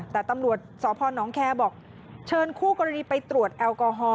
แต่ตำรวจสพนแคร์บอกเชิญคู่กรณีไปตรวจแอลกอฮอล